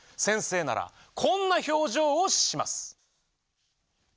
先生ならこんな表情をします。